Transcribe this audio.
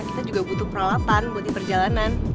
kita juga butuh peralatan untuk diperjalanan